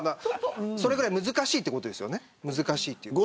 それぐらい難しいってことですよね。